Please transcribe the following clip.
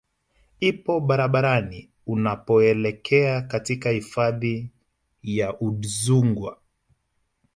ipo barabarani unapoelekea katika hifadhi ya Udzungwa